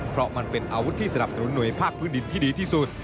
เพราะมันเป็นอาวุธที่สนับสนุนหน่วยภาคพื้นดินที่ดีที่สุด